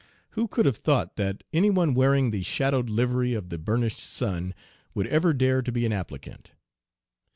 Who could have thought that any one wearing the 'shadowed livery of the burnished sun' would ever dare to be an applicant?